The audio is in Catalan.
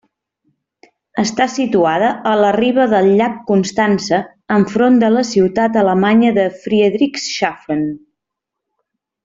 Està situada a la riba del llac Constança enfront de la ciutat alemanya de Friedrichshafen.